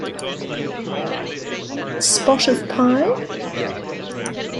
Spot of pie?